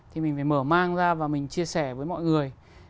thì mình phải mở mang ra và mình chia sẻ với mọi người